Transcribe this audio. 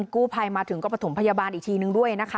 กู้ภัยมาถึงก็ประถมพยาบาลอีกทีนึงด้วยนะคะ